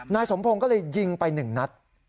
นายสมพงศ์ก็เลยยิงไป๑นัด